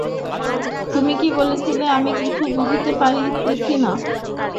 তুমি কী বলিতেছ, আমি কিছুই বুঝিতে পারিতেছি না।